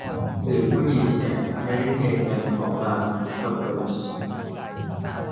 สื่อผู้ดี แฉ แฮร์รี่ เคน ยันขอลา สเปอร์ส